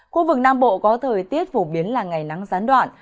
khu vực nam bộ có thời tiết phổ biến là ngày nắng gián đoạn